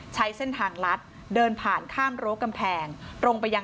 ใช้เส้นทางรัฐเดินผ่านข้ามรวดกำแพง